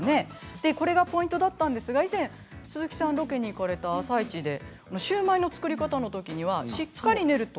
でこれがポイントだったんですが以前鈴木さんがロケに行かれた「あさイチ」でシューマイの作り方のときにはしっかり練ると？